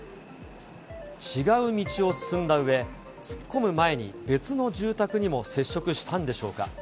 違う道を進んだうえ、突っ込む前に別の住宅にも接触したんでしょうか。